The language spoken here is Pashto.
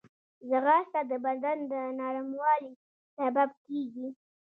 ځغاسته د بدن د نرموالي سبب کېږي